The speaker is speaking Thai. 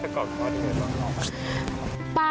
ถ้าขอบความรู้ดีกว่า